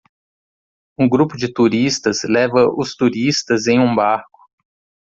Um grupo de turistas leva os turistas em um barco.